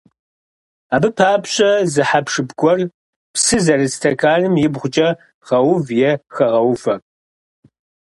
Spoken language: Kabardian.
Абы папщӀэ зы хьэпшып гуэр псы зэрыт стэканым ибгъукӀэ гъэув е хэгъэувэ.